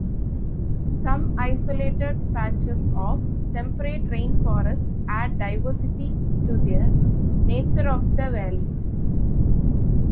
Some isolated patches of temperate rainforest add diversity to the nature of the valley.